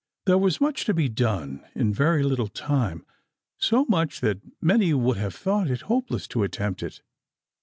There was much to be done in very little time, so much that many would have thought it hopeless to attempt it.